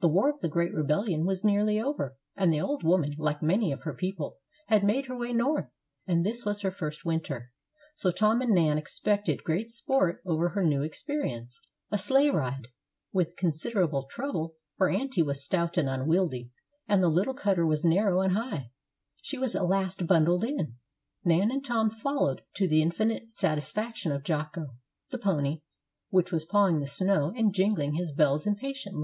The war of the great rebellion was nearly over, and the old woman, like many of her people, had made her way North, and this was her first winter; so Tom and Nan expected great sport over her new experience a sleigh ride. With considerable trouble, for aunty was stout and unwieldy, and the little cutter was narrow and high, she was at last bundled in, Nan and Tom following, to the infinite satisfaction of Jocko, the pony, which was pawing the snow and jingling his bells impatiently.